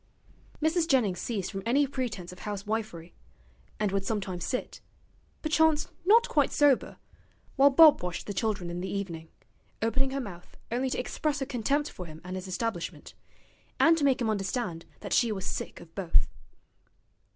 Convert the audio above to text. Mrs. Jennings ceased from any pretence of housewifery, and would sometimes sit perchance not quite sober while Bob washed the children in the evening, opening her mouth only to express her contempt for him and his establishment, and to make him understand that she was sick of both.